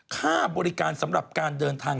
ค่าบริการสำหรับการเดินทาง